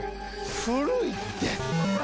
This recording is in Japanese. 古いって。